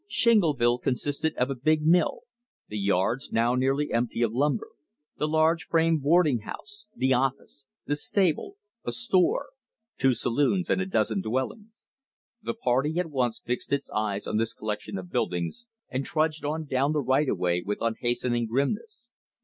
Shingleville consisted of a big mill; the yards, now nearly empty of lumber; the large frame boarding house; the office; the stable; a store; two saloons; and a dozen dwellings. The party at once fixed its eyes on this collection of buildings, and trudged on down the right of way with unhastening grimness.